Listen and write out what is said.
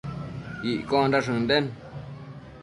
Iccondash ënden